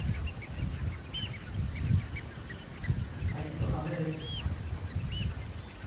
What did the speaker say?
はい、では完成です。